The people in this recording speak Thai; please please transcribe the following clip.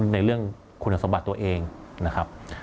ในเรื่องคุณสมบัติตัวเองนะครับ